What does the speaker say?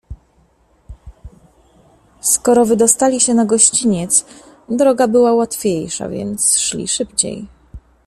"Skoro wydostali się na gościniec, droga była łatwiejsza, więc szli szybciej."